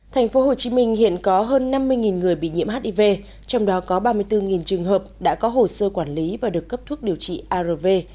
thành phố hồ chí minh hiện có hơn năm mươi người bị nhiễm hiv trong đó có ba mươi bốn trường hợp đã có hồ sơ quản lý và được cấp thuốc điều trị arv